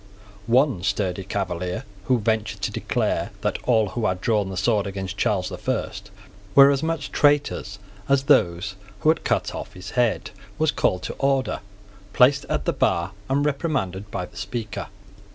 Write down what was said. One sturdy Cavalier, who ventured to declare that all who had drawn the sword against Charles the First were as much traitors as those who kind cut off his head, was called to order, placed at the bar, and reprimanded by the Speaker.